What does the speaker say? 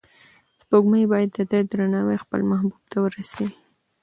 سپوږمۍ باید د ده درناوی خپل محبوب ته ورسوي.